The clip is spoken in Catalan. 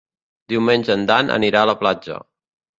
Diumenge en Dan anirà a la platja.